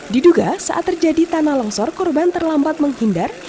diduga saat terjadi tanah longsor korban terlambat menghindar